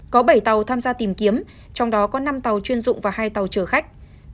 có bảy tàu tham gia tìm kiếm trong đó có năm tàu chuyên dụng và hai tàu chở khách